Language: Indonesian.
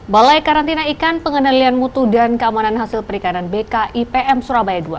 balai karantina ikan pengendalian mutu dan keamanan hasil perikanan bkipm surabaya ii